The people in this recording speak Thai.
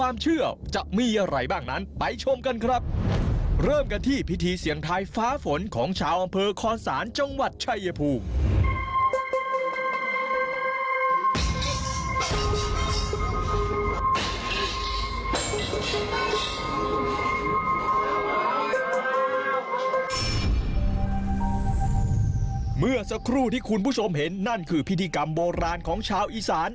เมื่อสักครู่ที่คุณผู้ชมเห็นนั่นคือพิธีกรรมโบราณของชาวอีสาน